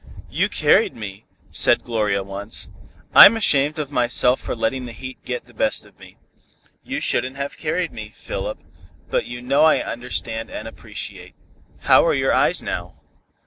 "You carried me," said Gloria once. "I'm ashamed of myself for letting the heat get the best of me. You shouldn't have carried me, Philip, but you know I understand and appreciate. How are your eyes now?"